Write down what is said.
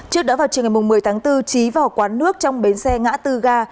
trước đó vào chiều ngày một mươi tháng bốn trí vào quán nước trong bến xe ngã tư ga